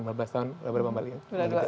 saya dua belas tahun ya dua belas tahun